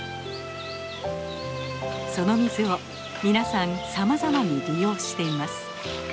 その水を皆さんさまざまに利用しています。